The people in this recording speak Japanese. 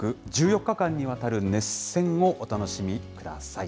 １４日間にわたる熱戦をお楽しみください。